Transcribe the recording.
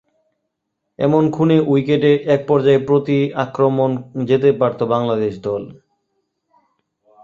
এমন ‘খুনে’ উইকেটে একপর্যায়ে প্রতি–আক্রমণে যেতে পারত বাংলাদেশ দল।